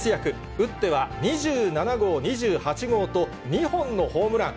打っては２７号、２８号と、２本のホームラン。